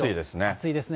暑いですね。